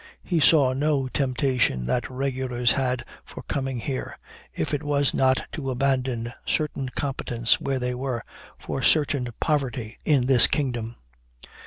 He saw no temptation that regulars had for coming here, if it was not to abandon certain competence where they were, for certain poverty in this kingdom.